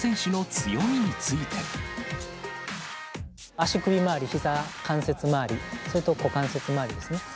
足首周り、ひざ、関節周り、それと股関節周りですね。